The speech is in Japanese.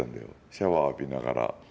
シャワー浴びながら。